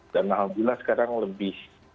dan alhamdulillah sekarang lebih